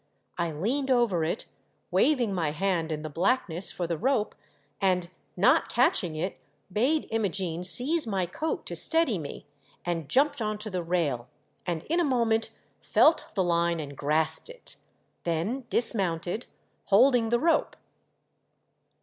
I leaned over it, waving my hand in the blackness for the rope, and not catching it, bade Imogene seize my coat to steady me, and jumped on to the rail, and in a moment felt the line and grasped it ; then dismounted, holding the rope.